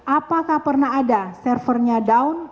apakah pernah ada servernya down